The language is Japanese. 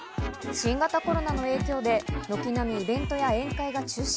新型コロナの影響で、軒並みイベントや宴会が中止。